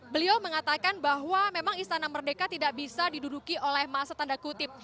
beliau mengatakan bahwa memang istana merdeka tidak bisa diduduki oleh masa tanda kutip